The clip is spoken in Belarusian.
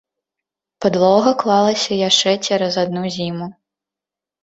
Падлога клалася яшчэ цераз адну зіму.